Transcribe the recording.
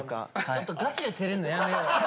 ちょっとガチでてれんのやめようや。